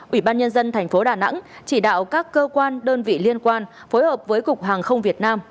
ủy ban nhân dân thành phố đà nẵng chỉ đạo các cơ quan đơn vị liên quan phối hợp với cục hàng không việt nam